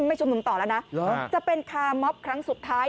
ไม่ชุมนุมต่อแล้วนะจะเป็นคาร์มอบครั้งสุดท้าย